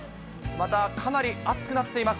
また、かなり暑くなっています。